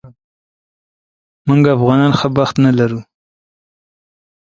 موږ افغانان ښه بخت نه لرو